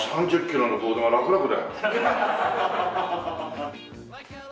３０キロのボードがラクラクだよ。